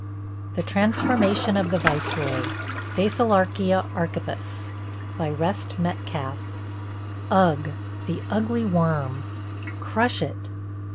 ] THE TRANSFORMATION OF THE VICEROY. (Basilarchia archippus.) REST METCALF. Ugh! The ugly worm! Crush it!